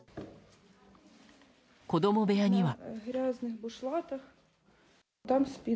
子供部屋には。